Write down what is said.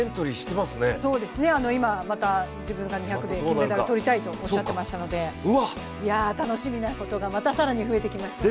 今、また自分が２００で金メダル取りたいとおっしゃっていましたので楽しみなことがまた増えてきました。